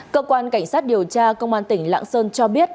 cơ quan cảnh sát điều tra công an tỉnh lạng sơn cho biết